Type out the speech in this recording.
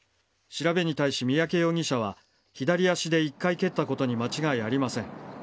調べに対し、三宅容疑者は左足で１回蹴ったことに間違いありません。